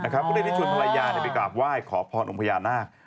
ก็เลยได้ชวนภรรยาไปกราบไหว้ขอพรองค์พญานาค